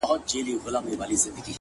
شاعره خداى دي زما ملگرى كه”